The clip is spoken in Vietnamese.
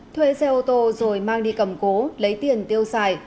thuê xe ô tô rồi mang đi cầm cố lấy tiền tiêu xài